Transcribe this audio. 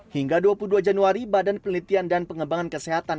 hingga dua puluh dua januari badan penelitian dan pengembangan kesehatan